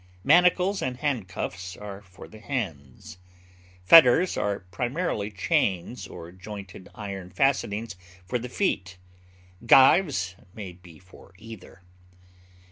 Manacles and handcuffs are for the hands, fetters are primarily chains or jointed iron fastenings for the feet; gyves may be for either.